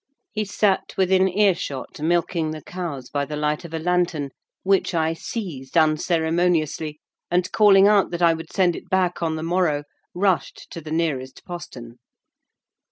He sat within earshot, milking the cows by the light of a lantern, which I seized unceremoniously, and, calling out that I would send it back on the morrow, rushed to the nearest postern.